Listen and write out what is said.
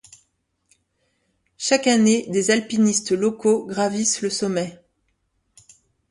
Chaque année, des alpinistes locaux gravissent le sommet.